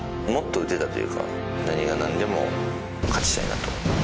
もっと打てたというか、何が何でも勝ちたいなと。